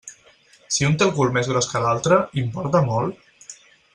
Si un té el cul més gros que l'altre, importa molt?